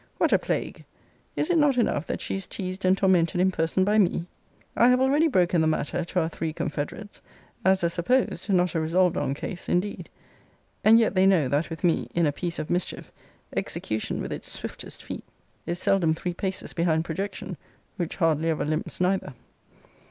What a plague! is it not enough that she is teased and tormented in person by me? I have already broken the matter to our three confederates; as a supposed, not a resolved on case indeed. And yet they know, that with me, in a piece of mischief, execution, with its swiftest feel, is seldom three paces behind projection, which hardly ever limps neither.